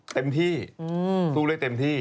เต็มที่สู้ได้เต็มที่